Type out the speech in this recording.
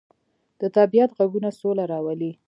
د طبیعت غږونه سوله راولي.